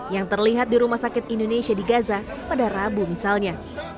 yang terlihat di rumah sakit indonesia di gaza pada rabu misalnya